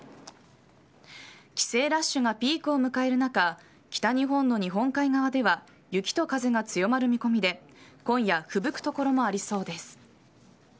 帰省ラッシュがピークを迎える中北日本の日本海側では雪と風が強まる見込みで今夜、ふぶく所もありそうです。